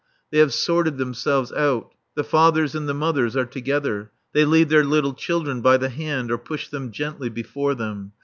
They have sorted themselves out. The fathers and the mothers are together, they lead their little children by the hand or push them gently before them.